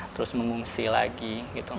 terus mengungsi lagi gitu